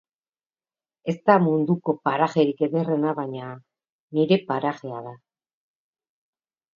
Ez da munduko parajerik ederrena, baina nire parajea da.